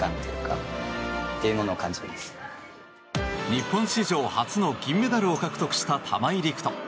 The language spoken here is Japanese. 日本史上初の銀メダルを獲得した玉井陸斗。